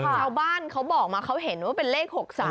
ชาวบ้านเขาบอกมาเขาเห็นว่าเป็นเลข๖๓